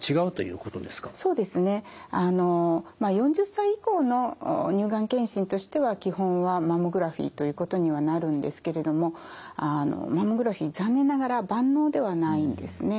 ４０歳以降の乳がん検診としては基本はマンモグラフィーということにはなるんですけれどもマンモグラフィー残念ながら万能ではないんですね。